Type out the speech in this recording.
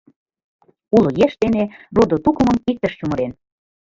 Уло еш дене, родо-тукымым иктыш чумырен.